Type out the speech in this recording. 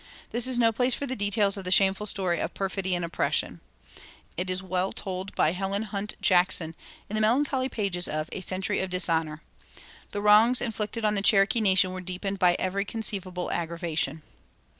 This is no place for the details of the shameful story of perfidy and oppression. It is well told by Helen Hunt Jackson in the melancholy pages of "A Century of Dishonor." The wrongs inflicted on the Cherokee nation were deepened by every conceivable aggravation.